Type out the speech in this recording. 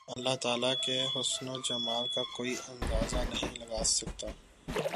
اللہ تعالی کے حسن و جمال کا کوئی اندازہ نہیں لگا سکت